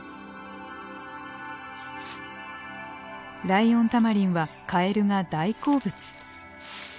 ライオンタマリンはカエルが大好物。